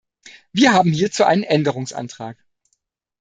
Wir haben hierzu einen Änderungsantrag.